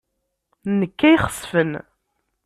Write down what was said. D nekk ay ixesfen.